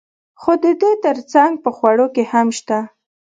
خو د دې ترڅنګ په خوړو کې هم شته.